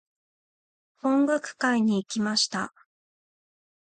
音楽会に行きました。